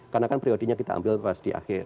karena kan priodinya kita ambil pas di akhir